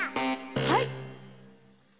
はい！